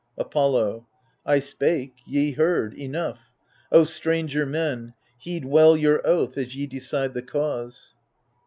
Apollo 1 spake, ye heard ; enough. O stranger men, Heed well your oath as ye decide the cause.